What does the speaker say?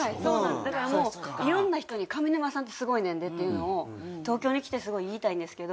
だからいろんな人に「上沼さんってすごいねんで」っていうのを東京に来てすごい言いたいんですけど。